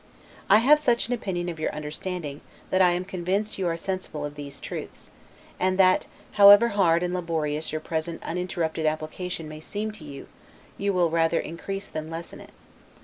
I have such an opinion of your understanding, that I am convinced you are sensible of these truths; and that, however hard and laborious your present uninterrupted application may seem to you, you will rather increase than lessen it.